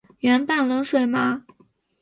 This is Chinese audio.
圆瓣冷水麻